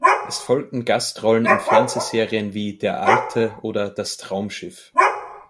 Es folgten Gastrollen in Fernsehserien wie "Der Alte" oder "Das Traumschiff".